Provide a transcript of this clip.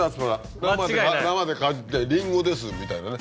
生でかじって「リンゴです」みたいなね。